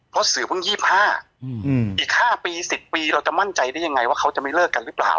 เพราะสื่อเพิ่ง๒๕อีก๕ปี๑๐ปีเราจะมั่นใจได้ยังไงว่าเขาจะไม่เลิกกันหรือเปล่า